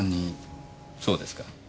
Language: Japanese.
そうですか。